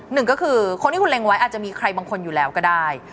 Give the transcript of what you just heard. หนึ่งก็คือคนที่คุณเล็งไว้อาจจะมีใครบางคนอยู่แล้วก็ได้